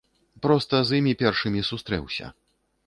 Проста з імі першымі сустрэўся.